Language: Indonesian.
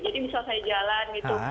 jadi misal saya jalan gitu